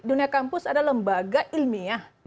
dunia kampus adalah lembaga ilmiah